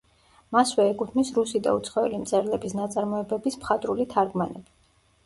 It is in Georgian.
მასვე ეკუთვნის რუსი და უცხოელი მწერლების ნაწარმოებების მხატვრული თარგმანები.